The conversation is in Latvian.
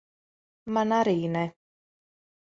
Man arī ne.